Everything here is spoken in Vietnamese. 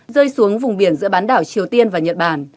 rơi xuống vùng biển giữa bán đảo triều tiên và nhật bản